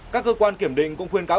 các cơ quan kiểm định cũng khuyên cáo